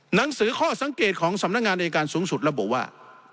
หนังสือข้อสังเกตของสำนักงานอายการสูงสุดระบุว่า